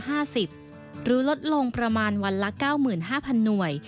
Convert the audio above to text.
หรือลดลงประมาณวันละ๙๕๐๐หน่วย